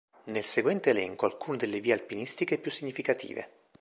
Nel seguente elenco alcune delle vie alpinistiche più significative.